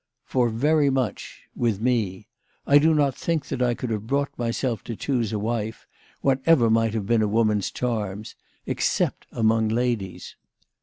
" For very much with me. I do not think that I could have brought myself to choose a wife, whatever might have been a woman's charms, except among ladies.